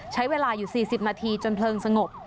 ใช้เวลาอยู่๔๐นาทีจนเพลิงสงบ